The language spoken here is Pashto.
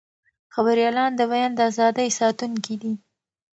خبریالان د بیان د ازادۍ ساتونکي دي.